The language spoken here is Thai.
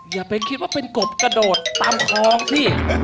อย่าไปคิดว่าเป็นกบกระโดดตามคลองสิ